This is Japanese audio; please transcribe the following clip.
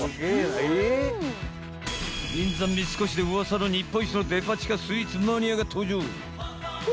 銀座三越で噂の、日本一のデパ地下スイーツマニアが登場。